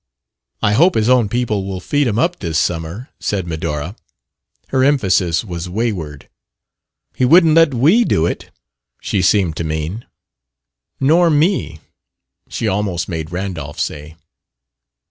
"I hope his own people will feed him up this summer," said Medora. Her emphasis was wayward; "He wouldn't let we do it," she seemed to mean. "Nor me," she almost made Randolph say.